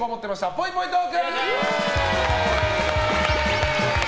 ぽいぽいトーク！